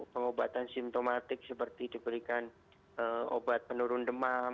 pengobatan simptomatik seperti diberikan obat penurun demam